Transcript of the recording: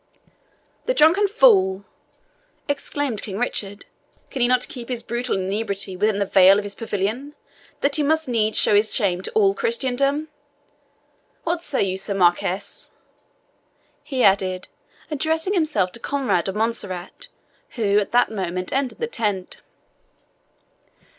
"The drunken fool!" exclaimed King Richard; "can he not keep his brutal inebriety within the veil of his pavilion, that he must needs show his shame to all Christendom? What say you, Sir Marquis?" he added, addressing himself to Conrade of Montserrat, who at that moment entered the tent.